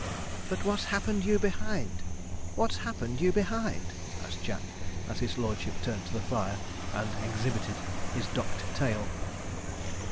'But what's happened you behind? what's happened you behind?' asked Jack, as his lordship turned to the fire, and exhibited his docked tail.